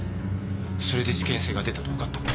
それで事件性が出たとわかった。